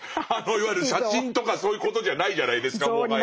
いわゆる写真とかそういうことじゃないじゃないですかもはや。